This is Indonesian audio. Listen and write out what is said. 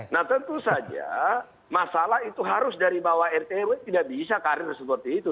nah tentu saja masalah itu harus dari bawah rtw tidak bisa karir seperti itu